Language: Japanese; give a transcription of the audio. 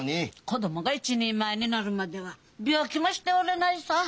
子どもが一人前になるまでは病気もしておれないさぁ。